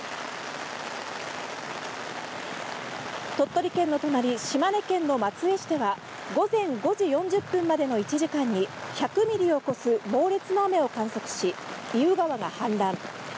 鳥取県の隣、島根県の松江市では午前５時４０分までの１時間に１００ミリを超す猛烈な雨を観測し、意宇川が氾濫。